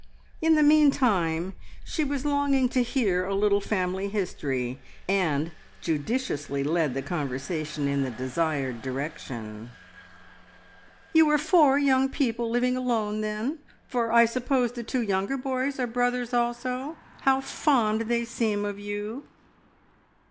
In the meantime she was longing to hear a little family history, and judiciously led the conversation in the desired direction. "You are four young people living alone, then? for I suppose the two younger boys are brothers also. How fond they seem of you!"